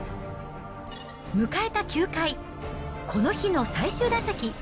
迎えた９回、この日の最終打席。